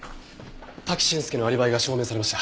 滝俊介のアリバイが証明されました。